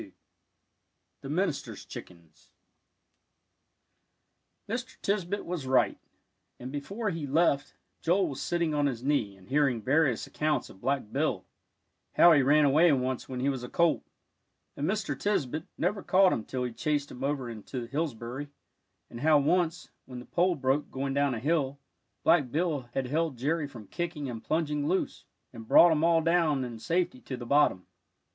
XXII THE MINISTER'S CHICKENS Mr. Tisbett was right. And before he left, Joel was sitting on his knee, and hearing various accounts of Black Bill; how he ran away once when he was a colt, and Mr. Tisbett never caught him till he'd chased him over into Hillsbury; and how once, when the pole broke going down a hill, Black Bill had held Jerry from kicking and plunging loose, and brought 'em all down in safety to the bottom.